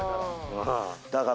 だから。